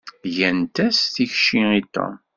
Gant-as tikci i Tom.